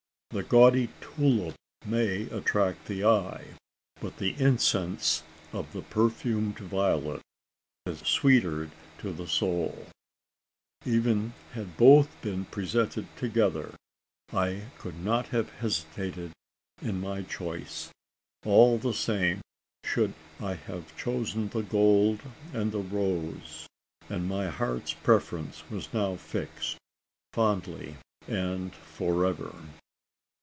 The gaudy tulip may attract the eye, but the incense of the perfumed violet is sweeter to the soul. Even had both been presented together, I could not have hesitated in my choice. All the same should I have chosen the gold and the rose; and my heart's preference was now fixed, fondly and for ever.